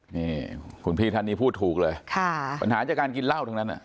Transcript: นี่คุณพี่ท่านนี้พูดถูกเลยค่ะปัญหาจากการกินเหล้าทั้งนั้น